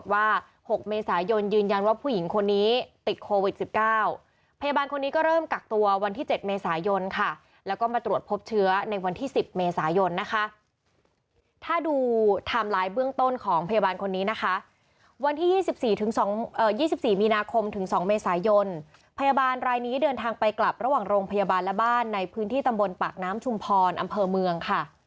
วันที่๒๔มีนาคมถึง๒เมษายนพยาบาลรายนี้เดินทางไปกลับระหว่างโรงพยาบาลและบ้านในพื้นที่ตำบลปากน้ำชุมพรอำเภอเมือง